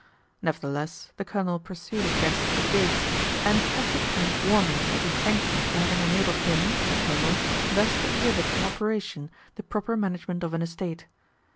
Nevertheless the Colonel pursued his guest to the gates, and pressed his hand warmly as he thanked him for having enabled him (the Colonel) thus to exhibit in operation the proper management of an estate.